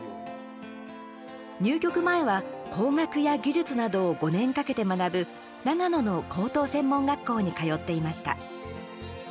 入局前は工学や技術などを５年かけて学ぶ長野の高等専門学校に通っていました。